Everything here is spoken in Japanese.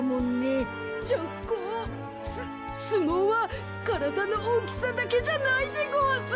すすもうはからだのおおきさだけじゃないでごわす。